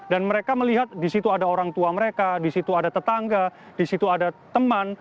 dan mereka melihat di situ ada orang tua mereka di situ ada tetangga di situ ada teman